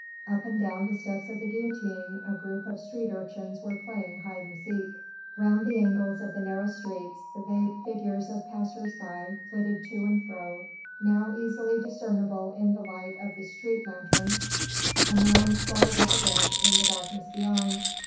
Up and down the steps of the guillotine a group of street urchins were playing hide and seek. Round the angles of the narrow streets the vague figures of passers by flitted to and fro, now easily discernible in the light of the street lanthorns, anon swallowed up again in the darkness beyond.